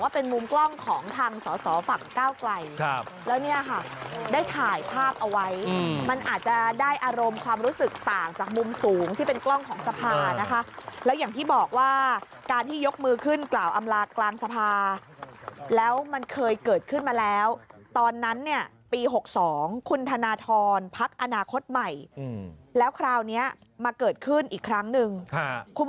ขอบคุณมากขอบคุณมากขอบคุณมากขอบคุณมากขอบคุณมากขอบคุณมากขอบคุณมากขอบคุณมากขอบคุณมากขอบคุณมากขอบคุณมากขอบคุณมากขอบคุณมากขอบคุณมากขอบคุณมากขอบคุณมากขอบคุณมากขอบคุณมากขอบคุณมากขอบคุณมากขอบคุณมากขอบคุณมากขอบคุณมากขอบคุณมากขอบคุ